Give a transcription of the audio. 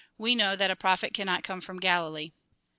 We know that a prophet cannot come from Galilee."